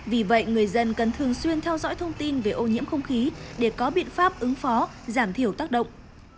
vì vậy người dân cần thường xuyên theo dõi thông tin về ô nhiễm không khí để có biện pháp ứng phó giảm thiểu tác động